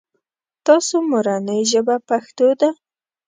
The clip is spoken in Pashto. تاسو مورنۍ ژبه پښتو ده ؟